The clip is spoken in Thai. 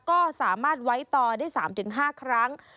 ก็สามารถไว้ต่อได้๓๕ครั้ง